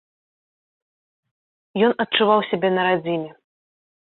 Ён адчуваў сябе на радзіме.